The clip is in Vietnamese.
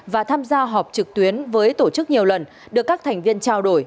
và tham gia họp trực tuyến với tổ chức nhiều lần được các thành viên trao đổi